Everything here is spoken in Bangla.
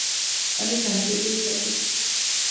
আমি শান্তিতেই থাকিব।